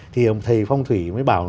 thì ông thầy phong thủy mới bảo